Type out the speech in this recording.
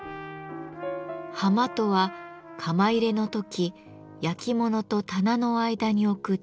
ハマとは窯入れの時焼き物と棚の間に置く小さな台。